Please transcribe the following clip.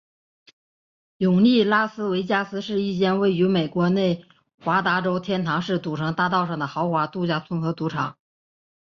永利拉斯维加斯是一间位于美国内华达州天堂市赌城大道上的豪华度假村和赌场。